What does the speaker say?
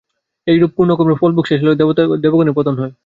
এইরূপে পুণ্যকর্মের ফলভোগ শেষ হইলে দেবগণের পতন হয়।